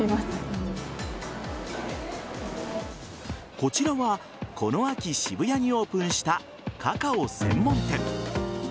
こちらはこの秋、渋谷にオープンしたカカオ専門店。